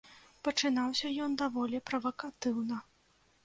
Пачынаўся ён даволі правакатыўна.